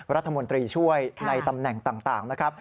รัฐมนตรีช่วยในตำแหน่งต่างนะครับ